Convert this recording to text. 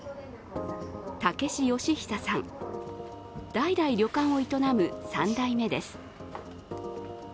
代々、旅館を営む３代目です。